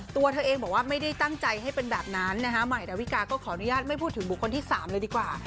ตัวเธอเองบอกว่าไม่ได้ตั้งใจให้เป็นแบบนั้นนะฮะใหม่ดาวิกาก็ขออนุญาตไม่พูดถึงบุคคลที่๓เลยดีกว่า